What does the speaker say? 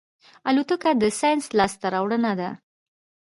الوتکه د ساینس لاسته راوړنه ده.